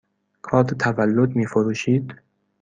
کارت تولد می فروشید؟